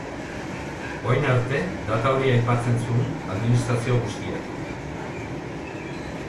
Orain arte data hori aipatzen zuen administrazio guztiek.